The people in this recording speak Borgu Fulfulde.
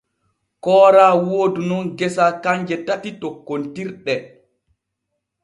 Koora woodu nun gesa kanje tati tokkontirɗe.